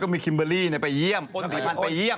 คุณแอนทองประสงค์เออะไรอ่ะ